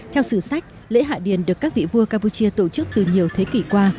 theo sử sách lễ hạ điền được các vị vua campuchia tổ chức từ nhiều thế kỷ qua